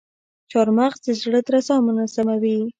چارمغز د زړه درزا منظموي.